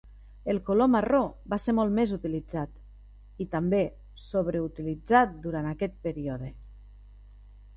El color marró va ser molt més utilitzat, i també sobre utilitzat durant aquest període.